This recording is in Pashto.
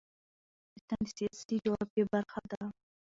مس د افغانستان د سیاسي جغرافیه برخه ده.